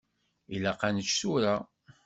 Ilaq ad nečč tura.